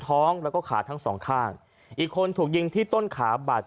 ท้องแล้วก็ขาทั้งสองข้างอีกคนถูกยิงที่ต้นขาบัตร